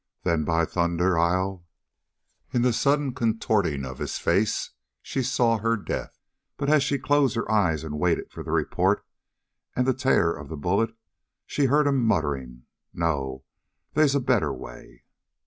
"Then, by thunder, I'll " In the sudden contorting of his face she saw her death, but as she closed her eyes and waited for the report and the tear of the bullet, she heard him muttering: "No, they's a better way."